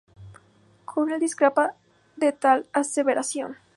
Cornell discrepa de tal aseveración.